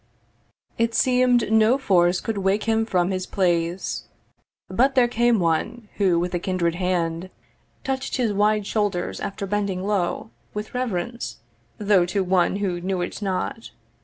It seem'd no force could wake him from his place; But there came one who with a kindred hand Touch'd his wide shoulders after bending low With reverence, though to one who knew it not.